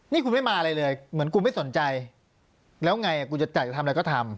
นี่ไม่มาเลยเหมือนกูไม่สนใจแล้วไงคนจะเอาภัยไปทำอะไรก็ทำ